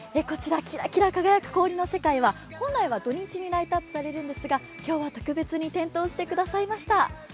こちら、キラキラ輝く氷の世界は本来は土日にライトアップされるんですが今日は特別に点灯してくださいました。